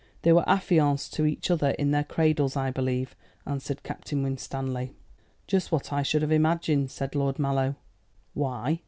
They were affianced to each other in their cradles, I believe," answered Captain Winstanley. "Just what I should have imagined," said Lord Mallow. "Why?"